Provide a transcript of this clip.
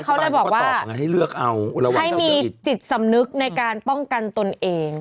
เขาได้บอกว่าให้มีจิตสำนึกในการป้องกันตนเอง